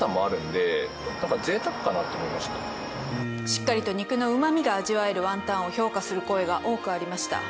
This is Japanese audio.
しっかりと肉のうまみが味わえるワンタンを評価する声が多くありました。